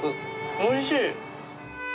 おいしい。